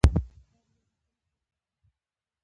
خاوره د افغانستان د جغرافیې یوه خورا غوره بېلګه ده.